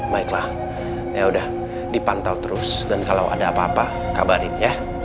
baiklah ya udah dipantau terus dan kalau ada apa apa kabarin ya